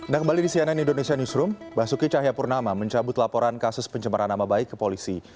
dan kembali di cnn indonesia newsroom basuki cahyapurnama mencabut laporan kasus pencemaran nama baik ke polisi